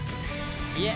いえ